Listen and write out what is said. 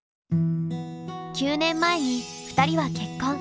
９年前に２人は結婚。